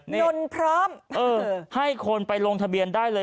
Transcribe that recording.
จนพร้อมให้คนไปลงทะเบียนได้เลย